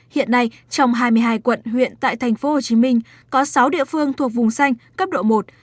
hiện nay trong hai mươi hai quận huyện tại thành phố hồ chí minh có sáu địa phương thuộc vùng xanh cấp độ một